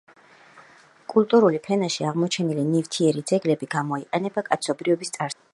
კულტურული ფენაში აღმოჩენილი ნივთიერი ძეგლები გამოიყენება კაცობრიობის წარსულის შესასწავლად.